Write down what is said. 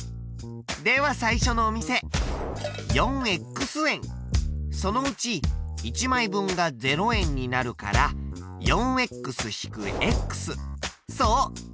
では最初のお店４円そのうち１枚分が０円になるから４−そう！